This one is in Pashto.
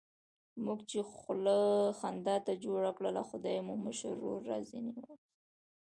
موږ چې خوله خندا ته جوړه کړله، خدای مو مشر ورور را ځنې واخیست.